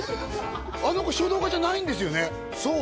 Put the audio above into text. あの子書道家じゃないんですよねそう！